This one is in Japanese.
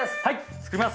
作ります。